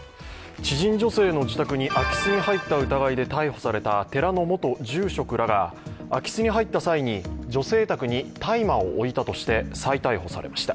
知人女性の自宅に空き巣に入った疑いで逮捕された寺の元住職らが空き巣に入った際に女性宅に大麻を置いたとして再逮捕されました。